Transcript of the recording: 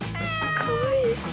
かわいい。